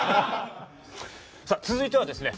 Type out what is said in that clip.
さあ続いてはですね